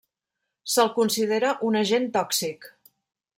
Se'l considera un agent tòxic.